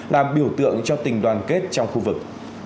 làm biểu tượng cho tình đoàn kết trong khu vực